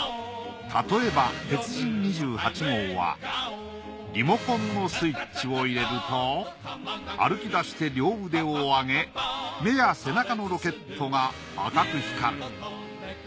例えば鉄人２８号はリモコンのスイッチを入れると歩き出して両腕をあげ目や背中のロケットが赤く光る。